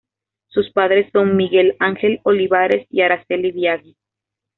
Sus padres son Miguel Ángel Olivares y Aracely Biagi.